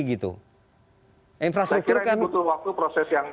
saya kira ini butuh waktu proses yang